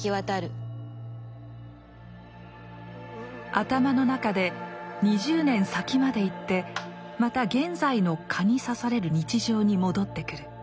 頭の中で２０年先まで行ってまた現在の蚊に刺される日常に戻ってくる。